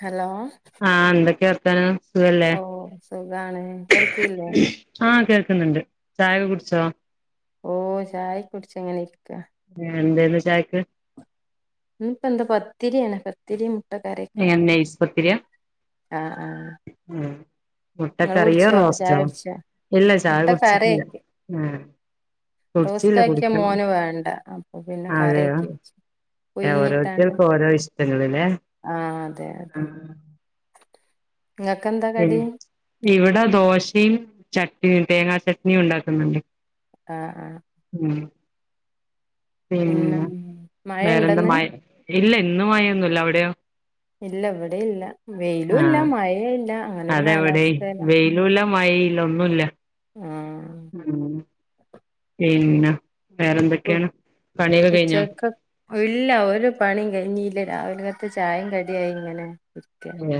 Hello ആഹ് [unintelligible] ഓ സുഖാണ് കേൾകി ല്ലേ? ക്കുന്നുണ്ട് ചായൊക്കെകുടിച്ചോ? ഓ ചായ കുടിച്ച ങ്ങനെ ഇരിക്ക. എന്തേന്ന് ചായക്ക്? ഉ ഇപ്പ എന്താ പത്തിരിയാണ് പത്തിരി. മുട്ടക്കറിയൊക്കെ എ നൈസ്പത്തിരിയാ? ങ്ങള് കുടിച്ചോ ചായ കുടിച്ചോ ഇല്ല ചായ മുട്ട കറി കുടിച്ചിട്ടില്ല ആഹ് കുടിച്ചില്ല റോസ്റ്റ് ആക്കിയാ കുടിക്കണം മോന് വേണ്ട അപ്പൊ പിന്നെ അതെയോ കറിയക്കി വെച്ചു. ഓരോരുത്തർക്കും ഓരോ ഇഷ്ടങ്ങള്ല്ലെ? ആ അതെ അതെ നിങ്ങക്ക് എന്താ ഉം കടി ഇവിടെ ദോശയും ചട്നിയും തേങ്ങാ ചട്നിയുംണ്ടാക്കുന്നുണ്ട്. ആ ആ പിന്നെ മഴ വേറെന്താ ഇണ്ടന്ന് മഴ ഇല്ല ഇന്ന് മയൊന്നുല്ല അവിടെയോ? ഇല്ല ഇവിടെ ഇല്ല വെയിലും ഇല്ല ആഹ് മഴ ഇല്ല അങ്ങനെ ഒരു കാലാവസ്ഥേല. മയയില്ല ഒന്നുല്ല. ആഹ് ഉം പിന്നെ വേറെന്തൊക്കെയാണ് പണിയൊക്കെ കഴിഞ്ഞോ ഉച്ചക്ക ഇല്ല ഒരു പണിം കയിഞ്ഞിറ്റില. രാവിലത്ത് ചായേം കടിയായി ഇങ്ങനെരിക്ക ഏ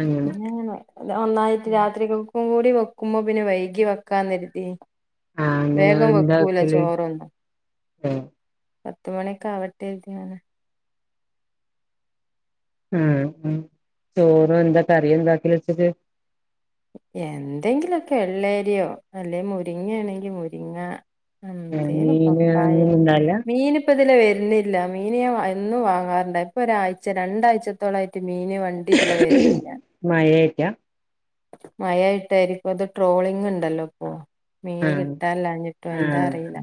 അങ്ങനെ ഒന്നായിറ്റ് രാത്രിക്കെക്കും ഇപ്പും കൂടി വെക്കുമ്പോ പിന്നെ വൈകി വെക്കാന്നെരുതി. ആഹ് അങ്ങനെ വേഗം എന്താ വെക്കൂല വെക്കല് ചോറൊന്നും. ആഹ് പത്തുമണിക്കെ ആവട്ടെര്തി ഇങ്ങനെ. ഉം ഉം ചോറും എന്താ കറിയെന്താകല് ഉച്ചക്ക്. എന്തെങ്കിലൊക്കെ വെള്ളേരിയോ അല്ലെ മുരിങ്ങയാണെങ്കി മുരിങ്ങ. എന്തേലും മീന് പപ്പായേ അങ്ങനൊന്നും ഇണ്ടാവില്ല മീന് ഇപ്പതിലെ വെരുന്നില്ല മീന് ഞാൻ എന്നും വാങ്ങാറുണ്ട് ഇപ്പൊരായ്ച രണ്ടാഴ്ചത്തോളായിട്ട് മീന് വണ്ടി ഇതിലെ വെരുന്നില്ല. മഴയായിട്ടാ മയായിട്ടാരിക്കും എന്തോ ട്രോളിങ്ണ്ടല്ലോ ഇപ്പൊ മീന് ആഹ് കിട്ടാല്ലാഞ്ഞിട്ടൊ ന്താ ആഹ് അറീല്ല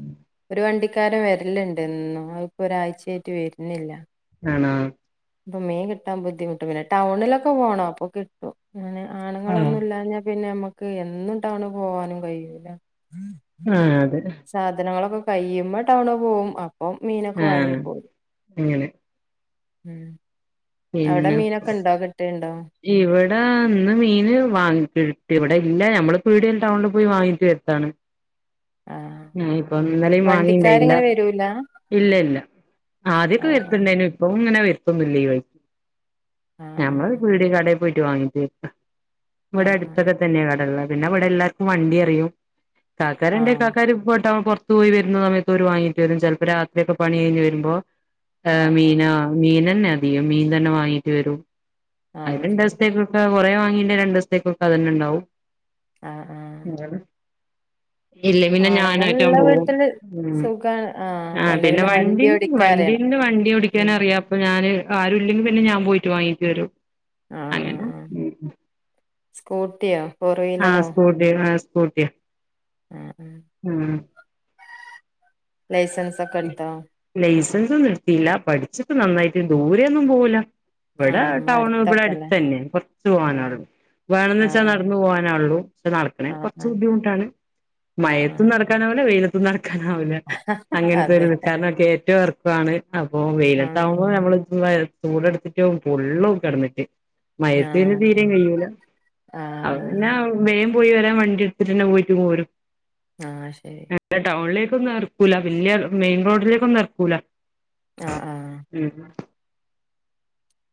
ഒരു വണ്ടി വണ്ടിക്കാരം വരല്ണ്ടെന്നും അത് ഇപ്പോ ഒരായ്ചയായിട്ട് വരുന്നില്ല. ആണോ? ഇപ്പൊ മീൻ കിട്ടാൻ ബുദ്ധിമുട്ട പിന്നെ ടൗണിലൊക്കെ പോണം അപ്പൊ കിട്ടും. ആഹ് ങ്ങളൊന്നും ഇല്ലഞ്ഞാ പിന്നെ നമ്മക്ക് എന്നും ടൗണിൽ പോവാനും കയ്യൂല. ആ അതെ കയ്യുമ്പോ ടൗണ് പോകും അപ്പൊ മീനൊക്കെ ആഹ് വാങ്ങി പോരും. അങ്ങനെ ഉം അവിടെ പിന്നെ മീനൊക്കെ ഉണ്ടോ കിട്ടുണ്ടോ ഇവിടെ ഇന്ന് മീന് [unintelligible] ഇല്ല ഞമ്മള് പീടേൽ ടൗണിൽ പോയി വാങ്ങിട്ട് വരത്താണ്. ആഹ് ആ ഇപ്പൊ ഇന്നലെം വാങ്ങിണ്ടായില്ല. വണ്ടിക്കാരിങ്ങനെ വരൂല ഇല്ല ഇല്ല ഓ ആദ്യൊക്കെ വരുത്തിണ്ടായിനു ഇപ്പൊങ്ങനെ വരുത്തില്ല ഈ വഴിക്ക്. ഞമ്മള് ആഹ് പീടിയേ കടേ പോയിട്ട് വാങ്ങിട്ട് ആഹ് ഇവിടെ ആഹ് ആഹ് അടുത്തൊക്കെ തന്നെയ കടകള്. പിന്നെവിടെ എല്ലാർക്കും വണ്ടി അറിയും കാക്കാരുണ്ടേ ആഹ് കാക്കാർ പോയി വരുന്ന സമയത്ത് ഓരു വാങ്ങിട്ടു വരും ചെലപ്പോ രാത്രിയൊക്കെ പണി കഴിഞ്ഞെരുമ്പോ ഏ ആഹ് ആഹ് മീന മീനന്നെ അധികം മീൻ തന്നെ വാങ്ങീട്ട് വരും. അത് ആഹ് രണ്ട് ശരി ദിവസത്തേക്കൊക്കെ കുറെ വാങ്ങീണ്ടെ രണ്ടുസത്തേക്കൊക്കെ അതന്നെണ്ടാവും. ആഹ് ആഹ് എന്താണ്? ഇല്ല പിന്നെ ഞാനേറ്റാ ആണുങ്ങളുള്ള പോവും വീട്ടില് മ് സുഖാണ് ആഹ് ആ അല്ലേ പിന്നെ വണ്ടി വണ്ടീം ഓടിക്കാൻ അറിയണം വണ്ടില് വണ്ടി ഓടിക്കാൻ ഉം അറിയാം അപ്പ ഞാന് ആരും ഇല്ലെങ്കി പിന്നെ ഞാൻ പോയിട്ട് വാങ്ങിട്ട് വരും ആ ആ അങ്ങനെ ആ സ്കൂട്ടിയോ ഫോർ ആ വീലറോ സ്കൂട്ടി ആ സ്കൂട്ടിയ ആഹ് ആഹ് മ് ലൈസൻസോക്കെടുത്തോ സൻസ്ട്ത്തീല പഠിച്ചിപ്പ നന്നായിട്ട് ദൂരെയൊന്നും പോവൂല ഇവിടെ ആഹ് നമ്മള ടൗൺ ഇവിടെ അടുത്തൊക്കെല്ലേ അടുത്തല്ലെ കൊറച്ചു ആഹ് പോവാനോള്ളൂ വേണന്ന് വച്ചാൽ ആഹ് നടന്നു പോവാനൊള്ളു നടക്കണേ ആഹ് കൊറച്ച് ആഹ് ബുദ്ധിമുട്ടാണ് ആഹ് ആഹ് മയെത്തും ആഹ് നടക്കാനാവില്ല വെയില ത്തും നടക്കാനാവില്ല അങ്ങനത്തെ ഒരു അതെ വി കാരണം കേറ്റോം എറക്കോവാണ് അപ്പൊ ആഹ് വെയിലത്താവുമ്പോ നമ്മള്ത്തുമ്പ ചൂട് എടുത്തിട്ട് പൊള്ളും കെടന്നിട്ട് മയത്ത് ആഹ് പിന്നെ അതെ തീരേം കയൂല ആഹ് ആഹ് അവനാവേം പോയി വരാൻ വണ്ടി എടുത്തിട്ട്ന്നെ പോയിട്ട്ങ്ങ് പോരും ആഹ് ശരി ട്ടും നിർത്തുല പിന്നെ മെയിൻ റോഡിലേക്കൊന്നും ഇറക്കൂല ആഹ് ആഹ് മ് മ്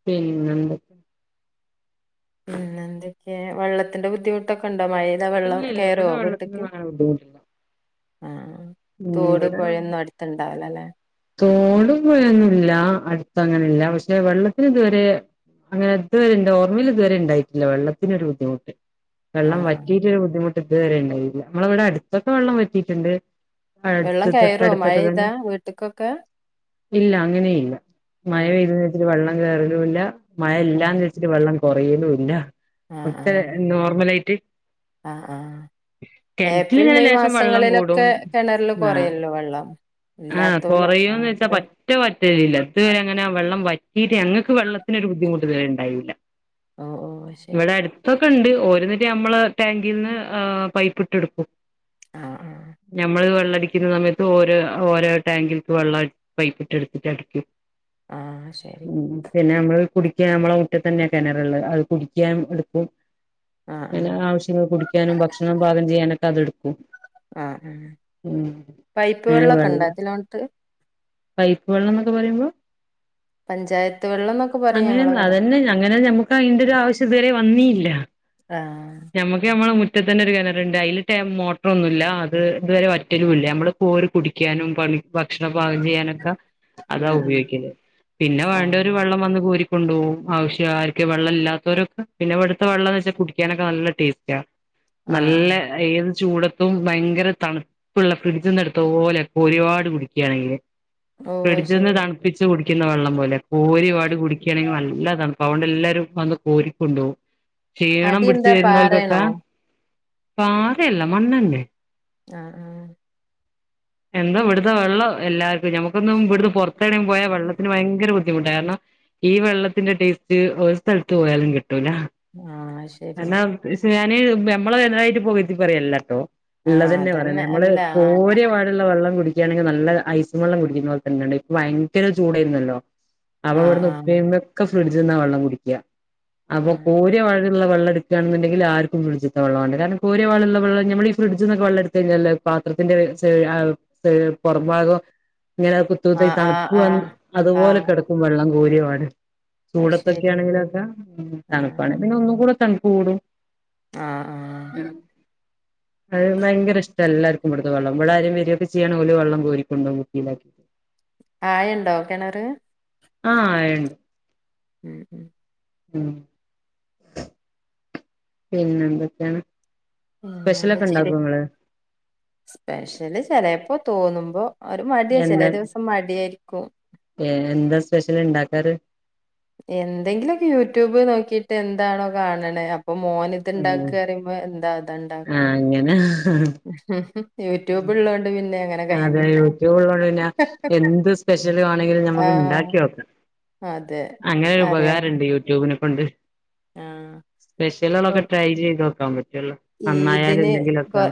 പിന്നെന്തൊക്കെ പിന്നെ എന്തൊക്കെയാ വെള്ളത്തിന്റെ ബുദ്ധിമുട്ടൊക്കെ ടെ മയെലെ വെള്ളം ഇല്ല ഇല്ല ഇവിടെ കേറുവോ വീട്ട്ക്ക് വെള്ളത്തിനൊന്നും അങ്ങനെ ബുദ്ധിമുട്ടില്ല ആഹ് ഉം തോടും ഇവിടെ പുഴയൊന്നും അടുത്ത്ണ്ടാവിലല്ലെ തോടും പോഴയൊന്നുല്ല അടുത്ത അങ്ങനെല്ല പക്ഷെ വെള്ളത്തിന് ഇതുവരെ അങ്ങനെ ഇതുവരെ ന്റെ ഓർമ്മയിൽ ഇതുവരെണ്ടായിട്ടില്ല വെള്ളത്തിനൊരു ബുദ്ധിമുട്ട് വെള്ളം ആഹ് ആഹ് വറ്റിയിട്ടൊരു ബുദ്ധിമുട്ട് ഇതുവരെണ്ടായില്ല നമ്മള ഇവിടെ അടുത്തൊക്കെ വെള്ളം വറ്റിയിട്ടുണ്ട് വെള്ളം അടുത്തതൊക്കെ കയറുവോ തൊട്ടടുത്തൊക്കെ തന്നെ മഴെയ്താ വീട്ട്ക്കൊക്കെ ഇല്ല അങ്ങനെ ഇല്ല മഴ ആഹ് പെയ്തന്ന് വിചാരിച്ചിട്ട് വെള്ളം കേറലുവില്ല മഴ ആഹ് ഇല്ലാന്ന് വിചാരിച്ചിട്ട് വെള്ളം കൊറയലും ഇല്ല ആഹ് ഇവിടുത്തെ ആഹ് നോർമലായിട്ട് ആഹ് ആഹ് ഏപ്രിൽ കെണറ്റിലിങ്ങനെ മെയ് ലേശം വെള്ളം കൂടും മാസങ്ങളിലൊക്കെ കെണറില് കുറയല്ലോ വെള്ളം ആ ഇല്ലാത്തോല് കൊറയൂന്ന് ആഹ് വെച്ചാ കൊറേ പറ്റാ പറ്റലില്ല ഇതുവരെ അങ്ങനെ വെള്ളംവ റ്റീട്ട് ഞങ്ങൾക്ക് വെള്ളത്തിനൊരു ബുദ്ധിമുട്ട് ഇത് വരെണ്ടായില്ല ഓഹ് ഓഹ് ശരി ഇവിടെ അടുത്തൊ ക്കണ്ട് ഓര് ന്ന്‌ട്ട് നമ്മളെ ടാങ്കിന്ന് ആ പൈപ്പിട്ടെടുക്കും ആഹ് ആഹ് ഞമ്മള് വെള്ളടിക്കുന്ന സമയത്ത് ഓരോ ഓരോ ടാങ്കിൽക്ക് വെള്ളം പൈപ്പിട്ടെടുത്തിട്ടടക്കും ആഹ് ശരി പിന്നെ നമ്മള് കുടിക്കാൻ നമ്മളെ മുറ്റത്തന്നെ കിണറ്ള്ളെ അത് കുടിക്കാൻ എടുക്കും ആഹ് പിന്നെ ആഹ് ആവശ്യങ്ങൾ കുടിക്കാനും ഭക്ഷണം പാകം ചെയ്യാനൊക്കെ അതെടുക്കും ആഹ് ആ ഉം പൈപ്പ് അങ്ങനെ വെള്ളൊക്കെണ്ട വെള്ളം അതിലോട്ട് പൈപ്പ് വെള്ളന്നൊക്കെ പറയുമ്പോ പഞ്ചായത്ത് വെള്ളംന്നൊക്കെ പറയും അങ്ങനെ ഞങ്ങളവിടെ അതന്നെ അങ്ങനെ ഞമ്മുക്ക് അതിന്റെ ഒരാവശ്യം ഇതുവരെ വന്നീ ലാ ആഹ് ഞമ്മക്ക് ഞമ്മളെ മു മുറ്റത്തന്നെ ഒരു കിണറുണ്ട് അയ്ലെറ്റെ മോട്ടറോന്നുല്ല അത് ഇതുവരെ വറ്റലും ഇല്ല നമ്മള് പോ കുടിക്കാനും പണി ഭക്ഷണം പാകം ചെയ്യാനൊക്കെ ഉം അതാ ഉം ഉപയോഗിക്കല് പിന്നെ വേണ്ട വര് ആഹ് വെള്ളം വന്ന് കോരി കൊണ്ടു പോവും ആവശ്യം ആർക്ക് വെള്ളമല്ലാത്തവരൊക്കെ പിന്നെ വെടുത്ത വെള്ളന്ന് വെച്ചാൽ കുടിക്കാനൊക്കെ നല്ല ടേസ്റ്റാ ആഹ് നല്ല ആഹ് ഏത് ചൂടത്തും ഭയങ്കര തണുപ്പുള്ള ഫ്രിഡ്ജിന്ന് എടു ത്തോലെ കോരികാട് കുടിയ്ക്കാണെങ്കില് ഓഹ് ഫ്രിഡ്ജിന്ന് ശരി തണുപ്പിച്ച് കു ടിക്കുന്ന വെള്ളം പോലെ കോരിപാട് കുടിക്കുകയാണെങ്കിൽ നല്ലതൺപാ അതുകൊണ്ട് എല്ലാവരും വന്ന് കോരിക്കൊണ്ടോവും ക്ഷീണം അടി പിടിച്ച് എന്താ വരുന്നോൽക്കൊക്കെ പാറയാണോ പാറയല്ല മണ്ണന്നെ ആഹ് ആഹ് എന്താ ഇവിട്ത്തെ വെള്ളം എല്ലാർക്കും നമുക്കൊന്നും ഇബിട്ന്ന് പൊർത്തെർങ്ങിപോയാ വെള്ളത്തിന് ഭയങ്കര ബു ദ്ധിമുട്ടാ കാരണം ഈ വെള്ളത്തിന്റെ ടേസ്റ്റ് ഒരു സ്ഥലത്ത് പോയാലും കി ട്ടൂല ആഹ് ശരിയാ അല്ലാ പക്ഷേ ഞാന് നമ്മളെ കെണറായിട്ട് പുകഴ്ത്തി പറയല്ലട്ടോ ആഹ് ഇള്ളതന്നെ പറിണ് അതന്നെ നമ്മള് അല്ല കോരിയ വ വെള്ളം കുടിക്കുകയാണെങ്കിൽ നല്ല ഐസ്സ് വെള്ളം കുടിക്കുന്ന പോലെ തന്നെയുണ്ട് ഇപ്പൊ ഭയങ്കര ചൂടായിരുന്നല്ലോ. അവ ആഹ് ഇവിടുന്ന് ആഹ് ഉപ്പീഇമ്മി ഒക്കെ ഫ്രിഡ്ജിൽന്ന വെള്ളം കുടിക്ക്യ അപ്പൊ ആഹ് കൂടിയവായിള്ള വെള്ളം. എടുക്കയാണുണ്ടെങ്കിൽ ആർക്കും ഫ്രിഡ്ജിത്തെ വെള്ളാ വേണ്ട് കാരണം കോരിയ പോലുള്ള വെള്ളം നമ്മൾ ഈ ഫ്രഡ്ജ്ന്നൊക്കെ വെള്ളഎടുത്ത് കഴിഞ്ഞാ പാത്രത്തിന്റെ സ് ഏ ആ ഏ പുറംഭാഗം. ഞാ കുത്തുകുത്ത് ആഹ് ആഹ് തണുപ്പ് ആഹ് വന്ന് ആഹ് അതുപോലെ ആഹ് കെടക്കും വെള്ളം കോരിവാടെ. അത് ചൂടത്തൊക്കെ ശരി ആണെങ്കിലൊക്കെ തണുപ്പാണ്, ആഹ് പിന്നെ ഒന്നും കൂടെ തണുപ്പ് കൂടും. ആഹ് മ് ആഹ് അത് ഭയങ്കര ഇഷ്ട എല്ലാർക്കും ഇവുടെത്തെ വെള്ളം. ഇവിടെ ആരേലും വെറൊയൊക്കെ ചെയ്യാണെ ഓര് വള്ളം കോരികൊണ്ടോവും കുപ്പിയിലാ ആഴണ്ടോ കെണറ്. ആ ആഴണ്ട്. ഉം ഉം. ഉം. പിന്നെ എന്തൊക്കെയാണ്. സ്പെഷ്യലൊക്കെ എന്താചെൽ ഉണ്ടാക്കോ ഇങ്ങള് സ്പെഷ്യല് ചിലപ്പോ തോന്നുമ്പോ. ഒരു മടിയാ ചില ദിവസം മടിയായിരിക്കു. ഏ എന്താ സ്പെഷ്യൽ ഇണ്ടാക്കാറ് എന്തെങ്കിലൊക്കെ യൂട്യൂബ് നോക്കിട്ട് എന്താണോ കാണണെ. ഇപ്പൊ മോന് ഇത് ഉണ്ടാക്ക് പറയുമ്പോ എന്താ? ആ അങ്ങനാ. ഉംഉം, യൂട്യൂബ് ഉള്ളോണ്ട്, പിന്നെ അങ്ങനെ അതെ കഴിഞ്ഞു പോവും യൂട്യൂബ് ഉള്ളോണ്ട് പിന്നെ എന്ത് സ്പെഷ്യൽ വാണെങ്കിലും നമ്മക്ക് ആഹ് ഉണ്ടാക്കി നോക്കാം. അതെ അങ്ങനൊരു ഉപകാരണ്ട് അറിയാത്ത യൂട്യൂബിന്. കൊണ്ട്, ആഹ് ഇപ്പം സ്പെഷ്യകൊലക്കെ ട്രൈ ചെയ്ത് നോക്കാൻ പറ്റും. ഈദിന്, കൊ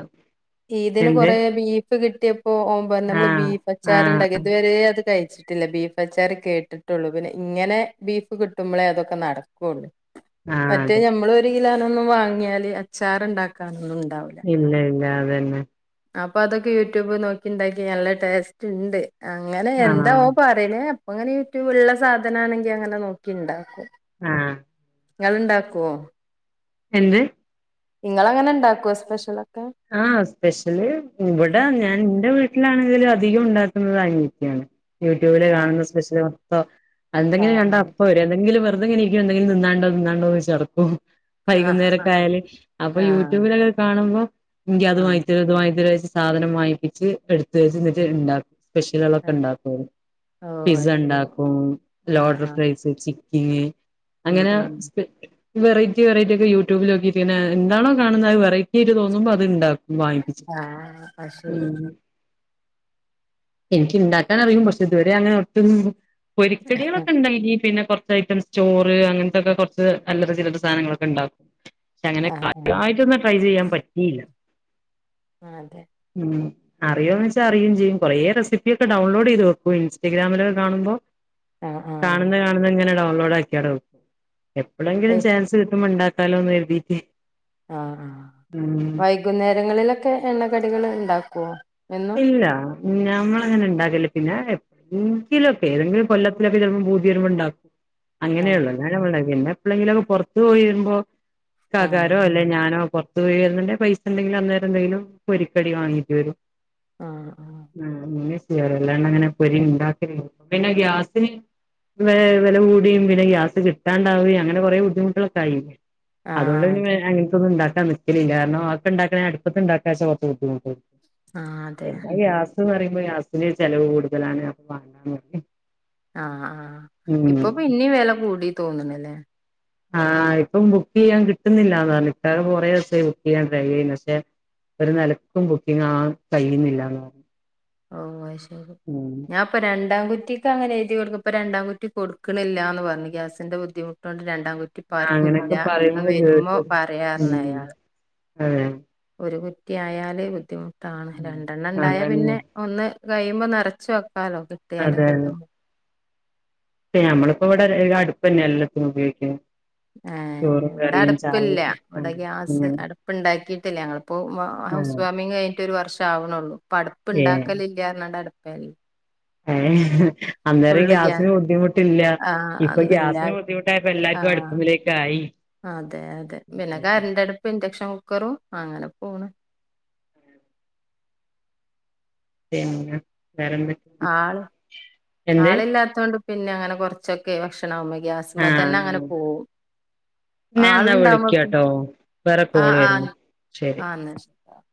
ഈദിന് എന്ത് കൊറെ ബീഫ് കി കിട്ടിയപ്പോ ഓന് പറഞ്ഞ്, നമ്മള് ആഹ് ബീഫ് ആഹ് അച്ചാറുണ്ടാക്കി ഇതുവരെ അത് കഴി വേച്ചിട്ടില്ല ബീഫ് അച്ചാർ കേട്ടിട്ടുള്ളൂ. പിന്നെ ഇങ്ങനെ ബീഫ് കിട്ടുമ്പോളേ അതൊക്കെ നടക്കുള്ളൂ. ആഹ് മറ്റേ അതെ ഞമ്മൾ ഒരു കിലോനൊന്നും വാങ്ങിയാല് അച്ചാർ ഉണ്ടാക്കാനൊള്ളൂ. ഇല്ല ഇല്ല അതന്നെ. അപ്പൊ അതൊക്കെ യൂട്യൂബ് നോക്കിണ്ടാക്കി നല്ല ടേസ്റ്റ് ഇണ്ട്. അങ്ങനെ എന്താ ആഹ് ഓൻ പറയണേ അപ്പ അങ്ങനെ യൂട്യൂബൂ ഉള്ളാ സാധനണങ്കി അങ്ങനെ നോക്കി ഇൻണ്ടാക്കും. ആ [unintelligible] ണ്ടാക്കോ? എന്ത്? നിങ്ങൾ അങ്ങനെ ഉണ്ടാക്കോ സ്പെഷ്യൽ? ആ സ്പെഷ്യല് ഇവിടെ ഞാൻ എന്റെ വീട്ടിലാ [unintelligible] അധികം ഉണ്ടാക്കുന്നത് അനിയത്തിയാണ്, യൂട്യൂബില് ആഹ് കാണുന്ന സ്പെഷ്യലി മൊത്തം. എന്തെങ്കിലും ആഹ് കണ്ട അപ്പോ വരു എന്തെങ്കിലു വെറുതെ ഇങ്ങനെ ഇരിക്ക എന്തെങ്കിലും തിന്നാണ്ടോ തിന്നാണ്ടോ ചോയ്ച്ചടക്കും. ആഹ് വൈകുന്നേരൊക്കെ ആഹ് ആയല് അപ്പൊ ആഹ് യൂട്യൂബിലൊക്കെ കാണുമ്പോ എനിക്ക് അത് ആഹ് വാങ്ങിതെരോ ഇത് വാങ്ങിതെരോ ചോയ്ച്ച് സാധനം വങ്ങപ്പിച്ച് എടുത്ത് വെച്ച് എന്നിട്ട് ഇണ്ടാക്കും. സ്പെഷ്യലെളൊക്കെ ആഹ് ഉണ്ടാക്കും ഓ പിസ്സ അത് ശരി ഉണ്ടാക്കും, ആഹ് ലോഡഡ് ആഹ് ഫ്രൈസ്, ചി, [unintelligible] ഉം അങ്ങനെ ഉം സ്പെ ഈ വെറൈറ്റി വെറൈറ്റി ഒക്കെ യൂട്യൂബിലുനോക്കിയിട്ട് പിന്നെ എന്താണോ കാണുന്നത് അത് വെറൈറ്റി ആയിട്ട് തോന്നുമ്പോ അത് ഇൻണ്ടാക്കും. ആഹ് അത് ശരി [unintelligible] എനിക്ക് ഉണ്ടാക്കാൻ അറിയും പക്ഷേ ഇതുവരെ അങ്ങനെ ഒട്ടും പൊരിക്കടികളൊക്കെ ഉണ്ടാക്കി പിന്നെ പുറ കുറെ ഐറ്റംസ് ചോർ അങ്ങനതൊക്കെ കുറച്ച് അല്ലറ ചില്ലറ സാധനങ്ങളൊക്കെ ഉണ്ടാ പക്ഷെ അങ്ങനെ ആഹ് ആഹ് കാര്യമായിട്ടൊന്നും ട്രൈ ചെയ്യാൻ പ റ്റീല്ല. അതെ ഉം, അറിയോന്ന് വെച്ചാ അറിയും ചെയ്യും. കുറെ റെസിപ്പിയൊക്കെ ഡൗൺലോഡ് ചെയ്ത് വെക്കും ഇൻസ്റ്റഗ്രാമിലൊക്കെ കാണുമ്പോ, ആഹ് ആഹ് കാണുന്ന കാണുന്ന ഇങ്ങനെ ഡൗൺലോഡ് ആക്കി അവിടെ വെക്കും. എപ്പോളെങ്കിലും ഏയ് ചാൻസ് കിട്ടുമ്പോ ഉണ്ടാക്കാലോ എന്ന് കരുതീട്ട് ആ ആ ഉം വൈകുന്നേരങ്ങളിലൊക്കെ എണ്ണ കടികള് ഇണ്ടാക്കോ ഇല്ല. ഞമ്മളങ്ങനണ്ടാക്കല്ല. പിന്നാ എ എങ്കിലും ഏതെങ്കിലും കൊല്ലത്തിലൊക്കെ ചിലപ്പോം ങ്കിലൊക്കേതെങ്കിൽ കൊല്ലത്തിലൊക്കെ ചെൽപം ഭൂതി വരുമ്പണ്ടാ ആഹ് അങ്ങനെള്ളു [unintelligible] പിന്നെ പ്പളെങ്കിലൊന് പൊറത്ത് പോയി വരുമ്പോ കാക്കാരോ ആഹ് അല്ലെ ഞാനോ പൊർ [unintelligible] പൈസണ്ടെങ്കിലന്നേരന്തെങ്കിലുംപൊരിക്കടി വാങ്ങിട്ട് വരും. ആഹ് [unintelligible] അല്ലാണ്ടെങ്ങനാ പൊരിണ്ടാക്കല്? പിന്ന ഗ്യാസിന് വേ വെല കൂടിയും പിന്ന ഗ്യാസ് കിട്ടാണ്ടാവയും അങ്ങന കൊറെ ബുദ്ധിമുട്ടുകളൊക്കായി. അതുകൊണ്ട് ആഹ് പിന്നെ അതെ അങ്ങൻ തൊന്നുണ്ടാ [inaudible] നിക്കലില്ല. കാരണൊ അഒക്കണ്ടാക്കണേ അട്‌പ്പത്ത് ണ്ടാക്കാച്ചാ കൊർച്ച് ബുദ്ധിമുട്ടു ആഹ് അതെ എന്താ ഗ്യാസ് പറീമ്പൊ ഗ്യാസിനൊര് ചെലവ് കൂടുതലാണ് അപ്പൊ [unintelligible] ആഹ്. ആഹ്. ഇപ്പൊ ഉം പിന്നെം വെല കൂടി തോന്ന്ണ്ല്ലേ? ആഹ ഇപ്പം ബുക്ക് ചെയ്യാൻ ആഹ്. ഇപ്പം ബുക്കെയ്യാൻ ക്‌ട്ട്ന്നില്ലാന്നർഞ്ഞ്. ക്കാക കൊറേ സായി ബുക്ക് ചെയ്യാൻ ട്രൈ യെയ്യ്ന്ന് ക്ഷെ ഒര നെലക്കും ബുക്കിങ്ങാവാം കയ്യ്ന്ല്ലാന്ന് ഓ അയ് ശരി. ഞാ പ്പ രണ്ടാംകു കുറ്റിക്ക് അങ്ങനെ എഴുതി [unintelligible] പ്പരണ്ടാം കുറ്റി കൊട്ക്ക്ണ്ല്ലാന്ന് പർഞ്ഞ് ഗ്യാസിന്റെ ബുദ്ധിമുട്ടോണ്ട്. രൺ ണ്ടാം കുറ്റി ആഹ് പ്പാർക്കുല്ല. അങ്ങനെയൊക്കെ ഞ്ഞി പറയുന്നൊക്കെ വരുമ്പോ കേട്ടു ഉം പറയാർന്നയാള്. [unintelligible] ഒരു കുറ്റ്യായാല് ബുദ്ധിമുട്ടാണ്. രണ്ടെണ്ണണ്ടായ അതന്നെ പിന്നെ ഒന്ന് കഴിയുമ്പ നറച്ച് വെ കാലോ കിട്ട്യാല് കിട്ടും. പ്പ ഞമ്മള്പ്പൊ വ്ട ര് അടുപ്പെന്ന എല്ലത്തിനു പയോഗിക്കുന്ന ഏ. വിടട്പ്പില്ല. വ്ട ആഹ് അങ്ങനെ ഗ്യാസ് അട്പ്പ്ണ്ടാക്കീട്ടില്ല. അങ്ങള്പ്പൊ [unintelligible] ഹൗസ് ആഹ് വാർമിംഗ് കഴിഞ്ഞിറ്റൊരുവർഷാവ്ണോള്ളൂ. പടുപ്പ്ണ്ടാക്കലില്ല്യാർഞ്ഞ്ട്ട ട്പേല്ല. ഏ ഹ്. അന്നേരം ഗ്യാസിന് ഗ്യാസ് ബുദ്ധിമുട്ടില്ല ഇപ്പൊ ആഹ് ഇല്ല ഗ്യാസിന് ബുദ്ധിമുട്ടായപ്പോ എല്ലാർക്കും ആഹ് അടുപ്പിലേക്കായി. അതെ അതെ പിന്നെ കരണ്ട് അടുപ്പ് ഇൻചക്ഷൻ കുക്ക് ക്കറോ അങ്ങനെ പോണ്. [inaudible] വേറെ എന്ത് ആള് എന്ത് ആളില്ലാത്തോണ്ട് പിന്നെ അങ്ങനെ കൊറച്ചൊക്കെ ഭക്ഷണകുമ്പോ ഗ്യാസ്മേ തന്നെ അങ്ങനെ ആഹ് പോവും. ഞാൻ എന്നാ ആളുണ്ടാപോ പിന്നെ വിളിക്കാട്ടോ വേറെ ആ കോള് വരുന്നു ശരി ആ എന്നുവെച്ച്.